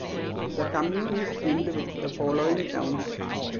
The commune is twinned with the following towns.